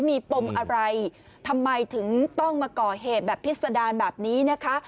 มีปมอะไรทำไมถึงต้องมาก่อเหตุแบบพิษดารแบบนี้นะคะ